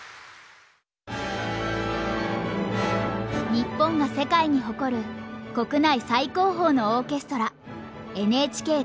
日本が世界に誇る国内最高峰のオーケストラＮＨＫ交響楽団。